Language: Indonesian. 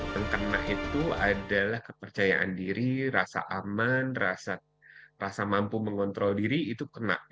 yang kena itu adalah kepercayaan diri rasa aman rasa mampu mengontrol diri itu kena